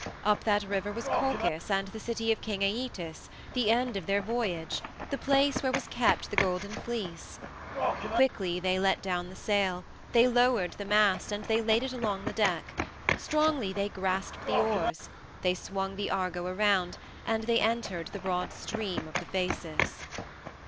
Up that river was Colchis and the city of King Æetes, the end of their voyage, the place where was kept the Golden Fleece! Quickly they let down the sail; they lowered the mast and they laid it along the deck; strongly they grasped the oars; they swung the Argo around, and they entered the broad stream of the Phasis.